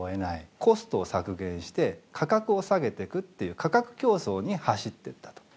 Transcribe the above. コストを削減して価格を下げてくっていう価格競争に走ってったと。